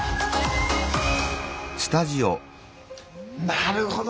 なるほど。